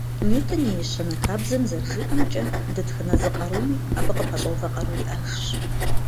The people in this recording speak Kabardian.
Ньютон и ещанэ хабзэм зэрыжиӏэмкӏэ, дэтхэнэ зы къаруми, абы къыпэщӏэувэ къару иӏэжщ.